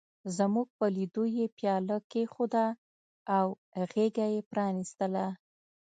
زموږ په لیدو یې پياله کېښوده او غېږه یې پرانستله.